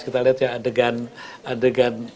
kita lihat ya adegan adegan